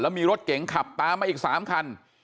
มีรถเก๋งขับตามมาอีก๓คัน